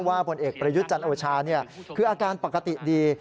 ผลเอกประยุทธ์จันโอชาคืออาการปกติดี